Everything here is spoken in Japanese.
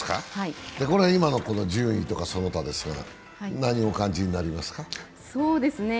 これ今の順位とかその他ですが、何をお感じになりますか？